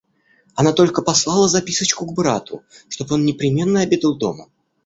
Она только послала записочку к брату, чтоб он непременно обедал дома.